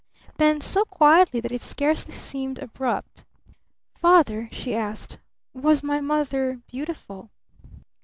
Then so quietly that it scarcely seemed abrupt, "Father," she asked, "was my mother beautiful?"